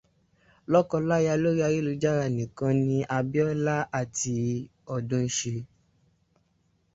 Lọ́kọ láya orí ayélujára nìkan ni Abíọ́lá àti Ọdún ńṣe.